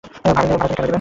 ভাড়া তিনি কেন দেবেন?